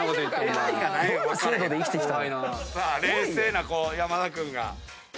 冷静な山田君が。